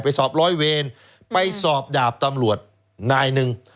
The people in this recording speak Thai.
สอบร้อยเวรไปสอบดาบตำรวจนายหนึ่ง